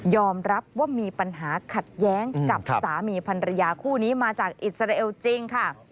รับว่ามีปัญหาขัดแย้งกับสามีพันรยาคู่นี้มาจากอิสราเอลจริงค่ะ